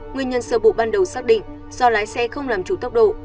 nguyên nhân sơ bộ ban đầu xác định do lái xe không làm chủ tốc độ